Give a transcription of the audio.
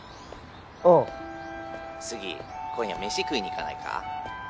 ああ☎杉今夜飯食いに行かないか？